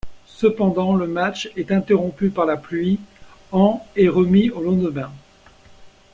Cependant, le match est interrompu par la pluie en et remis au lendemain.